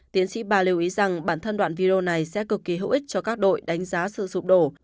tiến sĩ ba lưu ý rằng bản thân đoạn video này sẽ cực kỳ hữu ích cho các đội đánh giá sự sụp đổ